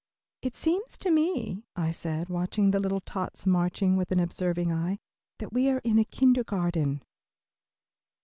"It seems to me," I said, watching the little tots marching with an observing eye, "that we are in a kindergarten."